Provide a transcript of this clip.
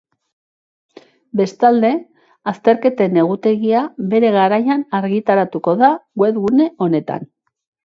Bestalde, azterketen egutegia bere garaian argitaratuko da webgune honetan.